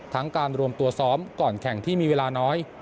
การรวมตัวซ้อมก่อนแข่งที่มีเวลาน้อย